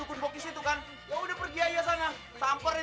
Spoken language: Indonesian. kalau sekarang urus aja semuanya sendiri